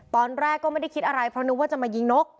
ตอนแรกก็ไม่ได้คิดอะไรเพราะนึกว่าจะมายิงนก